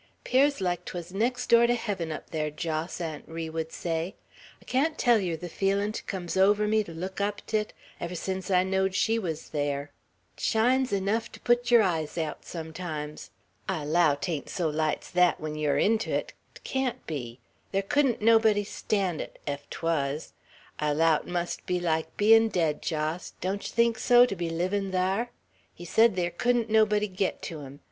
"'Pears like 'twas next door to heaven, up there, Jos," Aunt Ri would say. "I can't tell yer the feelin' 't comes over me, to look up 't it, ever sence I knowed she wuz there. 'T shines enuf to put yer eyes aout, sometimes; I allow 'tain't so light's thet when you air into 't; 't can't be; ther couldn't nobody stan' it, ef 't wuz. I allow 't must be like bein' dead, Jos, don't yer think so, to be livin' thar? He sed ther couldn't nobody git to 'em.